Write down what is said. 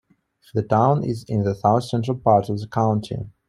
The town is in the south-central part of the county.